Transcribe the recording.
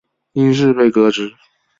因事被革职。